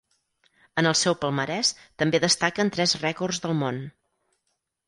En el seu palmarès també destaquen tres rècords del món.